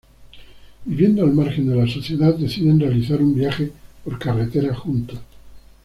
Viviendo al margen de la sociedad deciden realizar un viaje por carretera juntos.